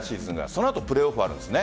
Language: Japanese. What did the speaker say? その後、プレーオフあるんです。